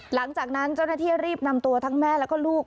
หลังจากนั้นเจ้าหน้าที่รีบนำตัวทั้งแม่แล้วก็ลูก